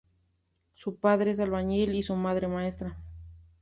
Su padre es albañil y su madre maestra.